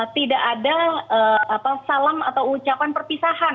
tidak ada salam atau ucapan perpisahan